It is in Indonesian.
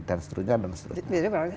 dan seterusnya dan seterusnya